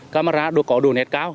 camera có độ nét cao